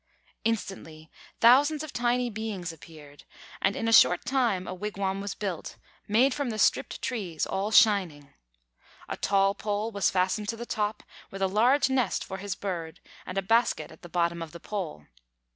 Instantly, thousands of tiny beings appeared, and in a short time a wigwam was built, made from the stripped trees, all shining. A tall pole was fastened to the top, with a large nest for his Bird and a basket at the bottom of the pole.